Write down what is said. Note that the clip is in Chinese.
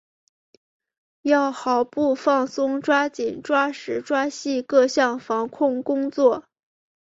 要毫不放松抓紧抓实抓细各项防控工作